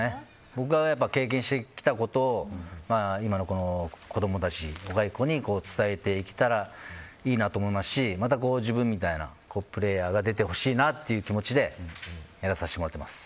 僕が経験してきたことを今の子供たち、若い子に伝えていけたらいいなと思いますしまた自分みたいなプレーヤーが出てほしいなという気持ちでやらせてもらってます。